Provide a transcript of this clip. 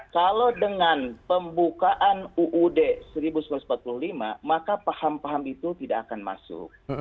kalau dengan pembukaan uud seribu sembilan ratus empat puluh lima maka paham paham itu tidak akan masuk